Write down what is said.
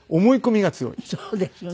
そうですよね。